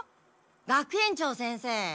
学園長先生